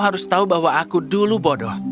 harus tahu bahwa aku dulu bodoh